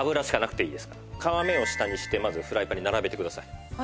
皮目を下にしてまずフライパンに並べてください。